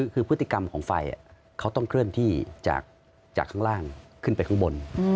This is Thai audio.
คือพฤติกรรมของไฟเขาต้องเคลื่อนที่จากข้างล่างขึ้นไปข้างบน